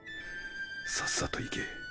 さっさと行け。